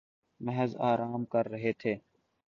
محض آرام کررہے تھے